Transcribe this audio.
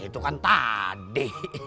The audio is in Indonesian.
itu kan tadi